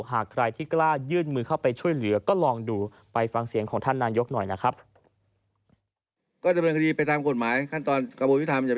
หากใครที่กล้ายื่นมือเข้าไปช่วยเหลือก็ลองดูไปฟังเสียงของท่านนายกหน่อยนะครับ